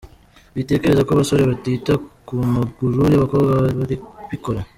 Witekereza ko abasore batita ku maguru y’abakobwa, barabikora.